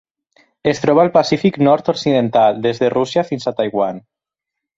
Es troba al Pacífic nord-occidental: des de Rússia fins a Taiwan.